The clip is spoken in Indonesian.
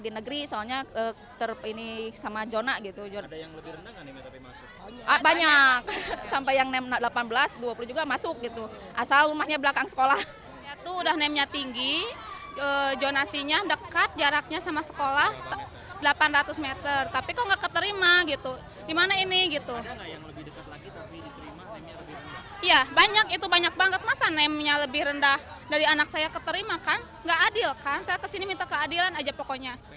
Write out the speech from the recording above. nggak adil kan saya kesini minta keadilan aja pokoknya